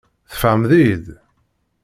Tfehmeḍ-iyi-d?